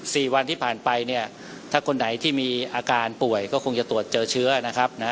สี่วันที่ผ่านไปเนี่ยถ้าคนไหนที่มีอาการป่วยก็คงจะตรวจเจอเชื้อนะครับนะ